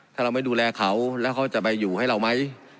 ถ้าเราไม่ดูแลเขาแล้วเขาจะไปอยู่ให้เราไหม